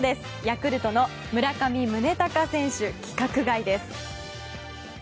ヤクルトの村上宗隆選手規格外です。